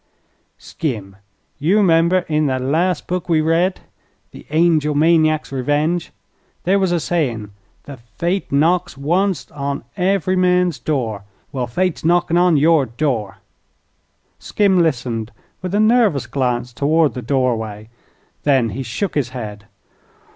"Skim, you 'member in thet las' book we read, 'The Angel Maniac's Revenge,' there was a sayin' that fate knocks wunst on ev'ry man's door. Well, fate's knockin' on your door." Skim listened, with a nervous glance toward the doorway. Then he shook his head.